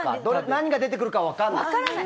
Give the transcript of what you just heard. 何が出てくるかわからない。